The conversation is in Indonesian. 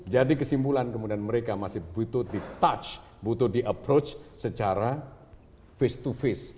kesimpulan kemudian mereka masih butuh di touch butuh di approach secara face to face